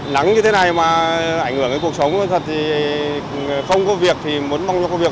nắng như thế này mà ảnh hưởng đến cuộc sống thật thì không có việc thì muốn mong cho công việc